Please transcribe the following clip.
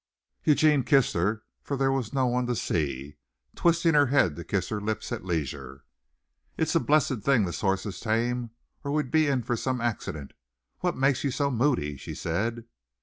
Eugene kissed her, for there was no one to see, twisting her head to kiss her lips at leisure. "It's a blessed thing this horse is tame or we'd be in for some accident. What makes you so moody?" she said.